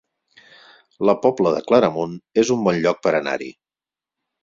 La Pobla de Claramunt es un bon lloc per anar-hi